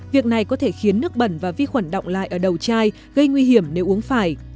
việc này có thể khiến nước bẩn và vi khuẩn động lại ở đầu chai gây nguy hiểm nếu uống phải